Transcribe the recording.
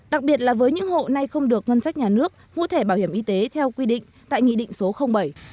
đặc biệt là với những hộ nay không được ngân sách nhà nước mua thẻ bảo hiểm y tế theo quy định tại nghị định số bảy